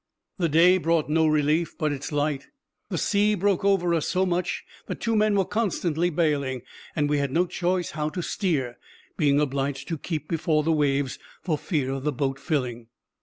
The day brought no relief but its light. The sea broke over us so much, that two men were constantly bailing; and we had no choice how to steer, being obliged to keep before the waves, for fear of the boat filling.